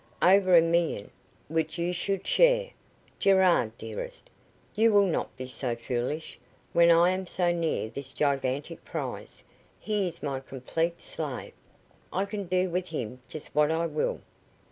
Over a million, which you should share. Gerard dearest you will not be so foolish, when I am so near this gigantic prize. He is my complete slave. I can do with him just what I will."